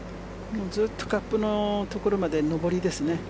ずっとカップのところまで上りですね。